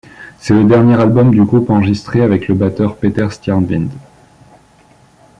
C'est le dernier album du groupe enregistré avec le batteur Peter Stjärnvind.